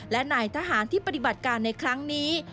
และนายทหารที่ปฏิบัติการในครั้งนี้